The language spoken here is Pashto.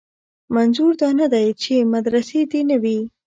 منظور دا نه دی چې مدرسې دې نه وي.